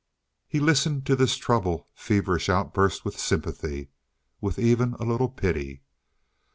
He listened to this troubled, feverish outburst with sympathy, with even a little pity.